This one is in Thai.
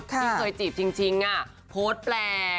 ที่เคยจีบจริงโพสต์แปลก